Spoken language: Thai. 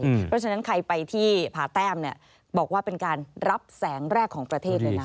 เพราะฉะนั้นใครไปที่ผ่าแต้มเนี่ยบอกว่าเป็นการรับแสงแรกของประเทศเลยนะ